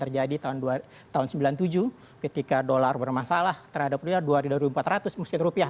seperti yang terjadi tahun seribu sembilan ratus sembilan puluh tujuh ketika dolar bermasalah terhadap dolar dua ribu empat ratus meskipun rupiah